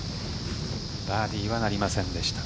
バーディーとはなりませんでした。